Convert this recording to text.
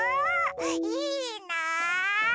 いいな！